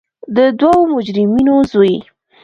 د دوو مجرمینو زوی.